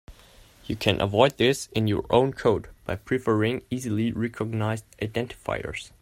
You can avoid this in your own code by preferring easily recognized identifiers.